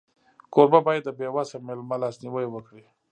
کوربه باید د بېوسه مېلمه لاسنیوی وکړي.